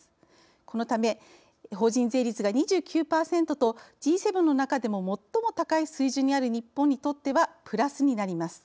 このため法人税率が２９％とＧ７の中でも高い水準にある日本にとってはプラスになります。